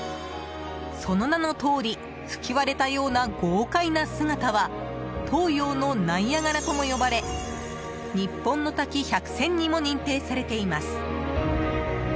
その名のとおり吹き割れたような豪快な姿は東洋のナイアガラとも呼ばれ日本の滝百選にも認定されています。